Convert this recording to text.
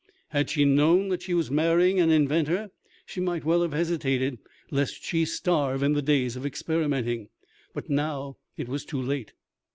Had she known that she was marrying an inventor, she might well have hesitated, lest she starve in the days of experimenting; but now it was too late.